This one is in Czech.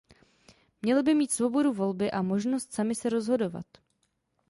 Měli by mít svobodu volby a možnost sami se rozhodovat.